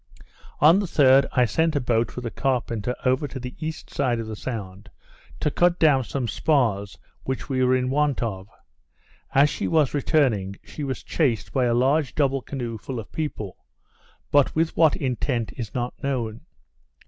On the 3d, I sent a boat with the carpenter over to the east side of the sound, to cut down some spars which we were in want of. As she was returning, she was chased by a large double canoe full of people; but with what intent is not known.